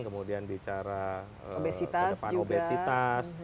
kemudian bicara ke depan obesitas